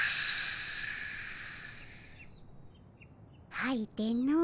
はいての。